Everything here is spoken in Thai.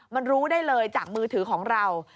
มันรู้ได้เลยจากมือถือของเรา